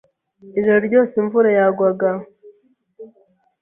Ijoro ryose imvura yagwaga.